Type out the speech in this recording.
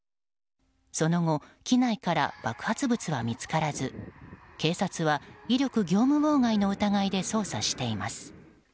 その後機内から爆発物は見つからず警察は威力業務妨害の疑いで捜査しています。